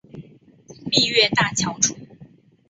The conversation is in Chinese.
蜜月大桥处。